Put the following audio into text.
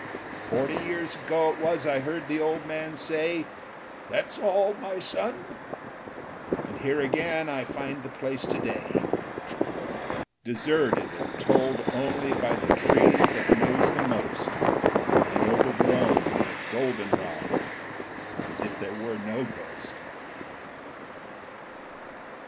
Forty years ago it was I heard the old man say, "That's all, my son." And here again I find the place to day, Deserted and told only by the tree that knows the most, And overgrown with golden rod as if there were no ghost.